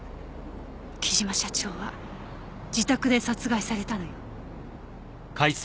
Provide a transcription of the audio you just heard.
貴島社長は自宅で殺害されたのよ。